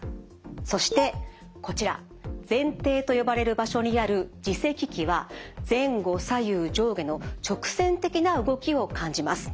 そしてこちら前庭と呼ばれる場所にある耳石器は前後左右上下の直線的な動きを感じます。